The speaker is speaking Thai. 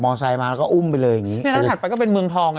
ไซด์มาแล้วก็อุ้มไปเลยอย่างงี้แล้วถัดไปก็เป็นเมืองทองไง